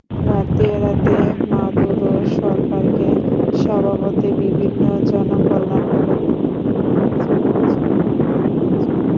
ঘাটতি এড়াতে মাদুরো সরকারকে স্বভাবতই বিভিন্ন জনকল্যাণমূলক প্রকল্পে কাটছাঁট করতে হয়েছে।